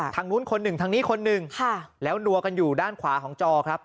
ทางนู้นคนหนึ่งทางนี้คนหนึ่งแล้วนัวกันอยู่ด้านขวาของจอครับ